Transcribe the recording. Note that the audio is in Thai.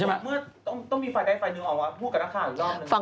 การเปลี่ยน